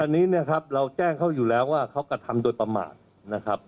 อันนี้เนี่ยครับเราแจ้งเขาอยู่แล้วว่าเขากระทำโดยประมาทนะครับ